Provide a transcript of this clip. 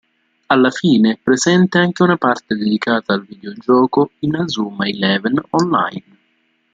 Alla fine è presente anche una parte dedicata al videogioco "Inazuma Eleven Online".